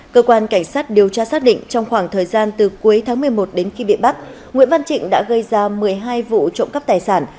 cơ quan cảnh sát điều tra xác định trong khoảng thời gian từ cuối tháng một mươi một đến khi bị bắt nguyễn văn trịnh đã gây ra một mươi hai vụ trộm cắp tài sản